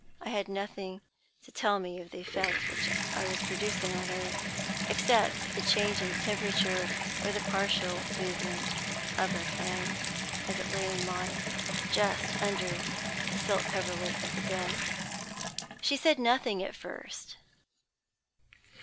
I had nothing to tell me of the effect which I was producing on her, except the changing temperature, or the partial movement, of her hand, as it lay in mine, just under the silk coverlet of the bed. "She said nothing at first.